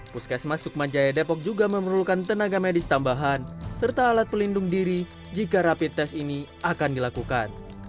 puskesmas sukma jaya depok juga memerlukan tenaga medis tambahan serta alat pelindung diri jika rapid test ini akan dilakukan